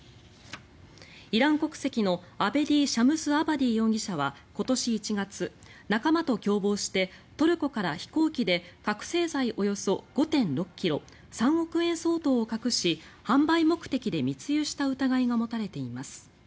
イラン国籍のアベディ・シャムスアバディ容疑者は今年１月仲間と共謀してトルコから飛行機で覚醒剤およそ５．６ｋｇ３億円相当を隠し販売目的で密輸した疑いが持たれています。